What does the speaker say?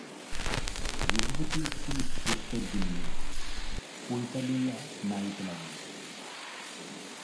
রঘুপতি একটি উত্তর দিলেন না, পইতা লইয়া নাড়িতে লাগিলেন।